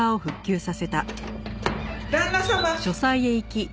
旦那様。